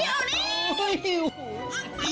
เยี่ยมนี่